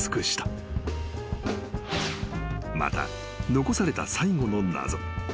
［また残された最後の謎］